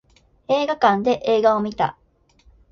映画館で映画を見た